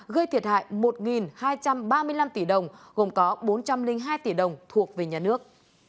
gây thiệt hại một hai trăm ba mươi năm tỷ đồng gồm có bốn trăm linh hai tỷ đồng thuộc về nhà nước